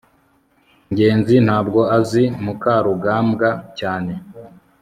ngenzi ntabwo azi mukarugambwa cyane